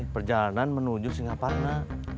perjalanan menuju singaparna